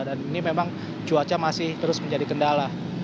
dan ini memang cuaca masih terus menjadi kendala